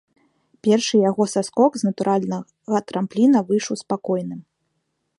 Першы яго саскок з натуральнага трампліна выйшаў спакойным.